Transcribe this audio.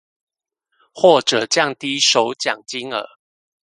或者降低首獎金額